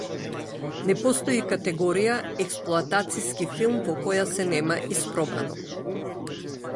Не постои категорија експлоатациски филм во која се нема испробано.